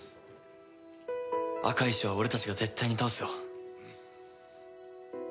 赤石は俺たちが絶対に倒すよ。